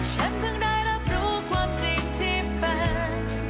ฉันเพิ่งได้รับรู้ความจริงที่เป็น